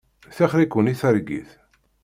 Tixeṛ-iken i targit.